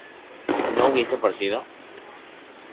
¿no hubiese partido?